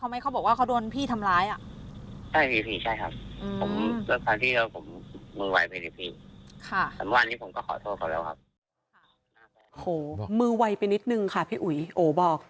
โอ้โหมือไวไปนิดนึงค่ะพี่อุ๋ยโอบอก